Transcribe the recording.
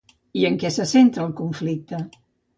I en què se centra el conflicte?